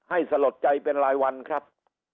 สลดใจเป็นรายวันครับ